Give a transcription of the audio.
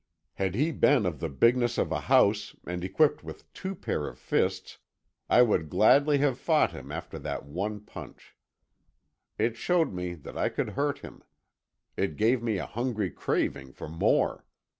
Had he been of the bigness of a house and equipped with two pair of fists I would gladly have fought him after that one punch. It showed me that I could hurt him. It gave me a hungry craving for more.